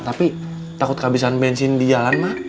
tapi takut kehabisan bensin di jalan mah